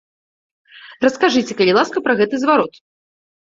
Раскажыце, калі ласка, пра гэты зварот.